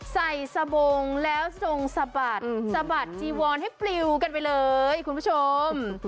สะบงแล้วทรงสะบัดสะบัดจีวอนให้ปลิวกันไปเลยคุณผู้ชม